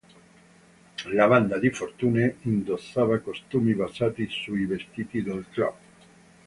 La banda di Fortune indossava costumi basati sui vestiti del club.